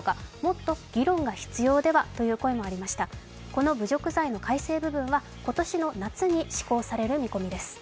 この侮辱罪の改正部分は今年の夏に施行される見込みです。